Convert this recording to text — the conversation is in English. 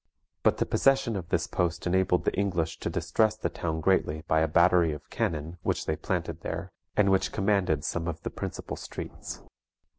But the possession of this post enabled the English to distress the town greatly by a battery of cannon which they planted there, and which commanded some of the principal streets.